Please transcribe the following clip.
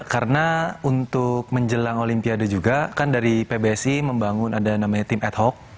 karena untuk menjelang olimpiade juga kan dari pbsi membangun ada namanya tim ad hoc